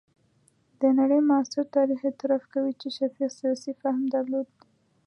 د نړۍ معاصر تاریخ اعتراف کوي چې شفیق سیاسي فهم درلود.